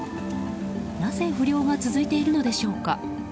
なぜ不漁が続いているのでしょうか。